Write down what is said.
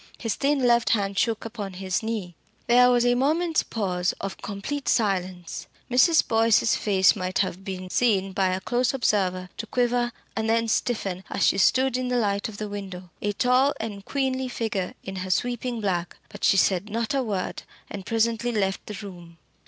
His thin left hand shook upon his knee. There was a moment's pause of complete silence. Mrs. Boyce's face might have been seen by a close observer to quiver and then stiffen as she stood in the light of the window, a tall and queenly figure in her sweeping black. But she said not a word, and presently left the room.